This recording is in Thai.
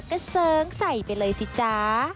ก็เสิร์งใส่ไปเลยสิจ๊ะ